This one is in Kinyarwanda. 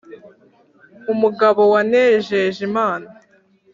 Umugabo wanejeje Imana.